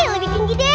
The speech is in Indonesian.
lebih tinggi deh